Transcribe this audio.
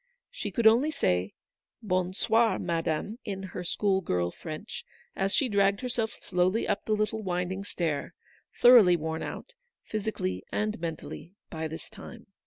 She could only say, (i Bon soir, madame," in her school girl French, as she dragged herself slowly up the little winding stair, thoroughly worn out, physically and mentally, by this time.